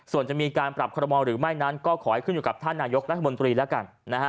ส่วนจะมีการปรับคอรมอลหรือไม่นั้นก็ขอให้ขึ้นอยู่กับท่านนายกรัฐมนตรีแล้วกันนะฮะ